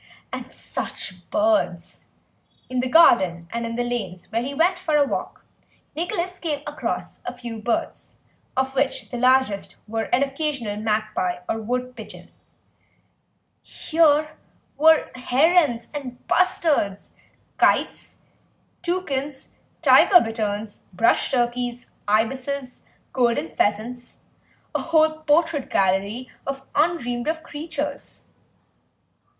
And such birds! In the garden, and in the lanes when he went for a walk, Nicholas came across a few birds, of which the largest were an occasional magpie or wood pigeon; here were herons and bustards, kites, toucans, tiger bitterns, brush turkeys, ibises, golden pheasants, a whole portrait gallery of undreamed of creatures.